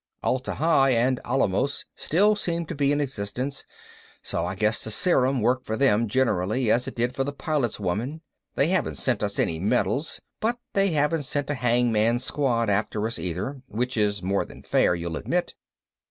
Atla Hi and Alamos still seem to be in existence, so I guess the serum worked for them generally as it did for the Pilot's Woman; they haven't sent us any medals, but they haven't sent a hangman's squad after us either which is more than fair, you'll admit.